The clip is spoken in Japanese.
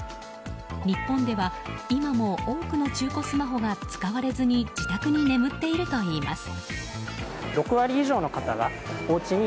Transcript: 日本では、今も多くの中古スマホが使われずに自宅に眠っているといいます。